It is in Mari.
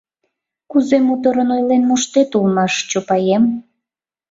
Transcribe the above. — Кузе моторын ойлен моштет улмаш, Чопаем!